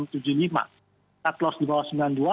cut loss di bawah rp sembilan puluh dua